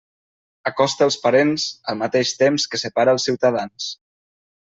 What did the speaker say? Acosta els parents al mateix temps que separa els ciutadans.